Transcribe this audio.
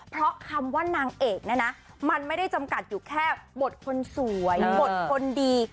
เพราะคำว่านางเอกเนี่ยนะมันไม่ได้จำกัดอยู่แค่บทคนสวยบทคนดี